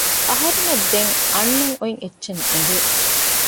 އަހަރެންނަށް ދެން އަންނަން އޮތް އެއްޗެއް އެނގެ